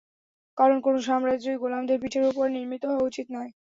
কারণ কোনো সাম্রাজ্যই গোলামদের পিঠের ওপর নির্মিত হওয়া উচিৎ নয়।